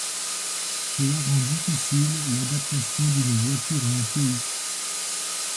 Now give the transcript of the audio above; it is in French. Cela rend difficile l'adaptation d'une voiture à un pays.